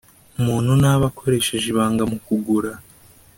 Umuntu ntaba akoresheje ibanga mu kugura